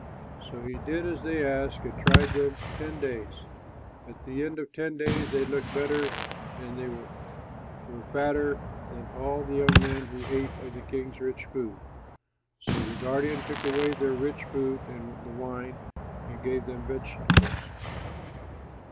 So he did as they asked and tried them ten days. At the end of ten days they looked better and they were fatter than all the young men who ate of the king's rich food. So the guardian took away their rich food and the wine and gave them vegetables.